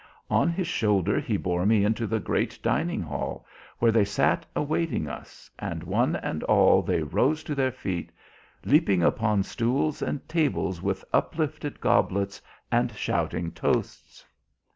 On his shoulder he bore me into the great dining hall, where they sat awaiting us, and one and all they rose to their feet, leaping upon stools and tables with uplifted goblets and shouting toasts.